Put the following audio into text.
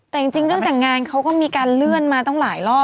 แต่จริงเรื่องแต่งงานเขาก็มีการเลื่อนมาตั้งหลายรอบ